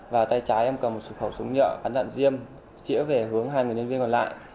và tay trái em cầm một sụp khẩu súng nhựa bắn lặn diêm chỉa về hướng hai người nhân viên còn lại